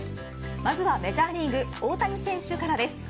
まずはメジャーリーグ大谷選手からです。